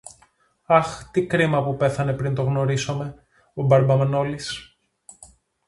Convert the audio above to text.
Αχ, τι κρίμα που πέθανε πριν τον γνωρίσομε, ο μπαρμπα-Μανόλης!